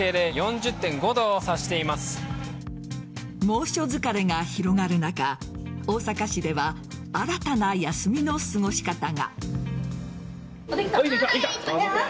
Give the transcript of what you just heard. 猛暑疲れが広がる中大阪市では新たな休みの過ごし方が。